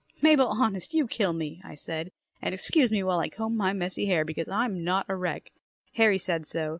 "Mabel, honest, you kill me," I said, "and excuse me while I comb my messy hair because I'm not a wreck. Harry said so.